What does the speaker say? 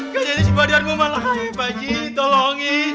kayaknya si badar mau malah aja baji tolongin